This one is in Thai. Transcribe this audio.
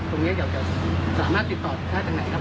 ตรงนี้อยากจะสามารถติดต่อได้จากไหนครับ